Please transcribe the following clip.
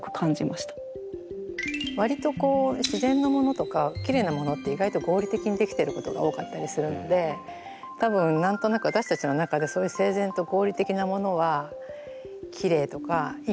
割と自然のものとかきれいなものって意外と合理的にできてることが多かったりするので多分何となく私たちの中でそういう整然とああ。